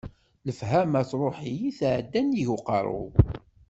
Lefhama truḥ-iyi, tɛedda nnig uqerru-w.